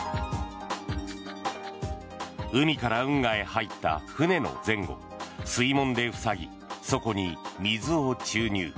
海から運河へ入った船の前後を水門で塞ぎ、そこに水を注入。